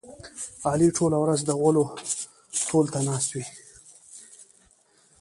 علي ټوله ورځ د غولو تول ته ناست وي.